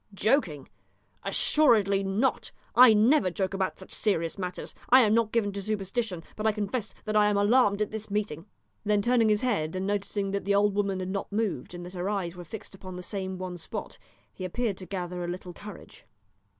"Joking? assuredly not! I never joke about such serious matters. I am not given to superstition, but I confess that I am alarmed at this meeting!" Then turning his head, and noticing that the old woman had not moved, and that her eyes were fixed upon the same one spot, he appeared to gather a little courage.